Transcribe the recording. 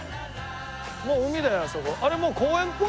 もう海だよあそこ。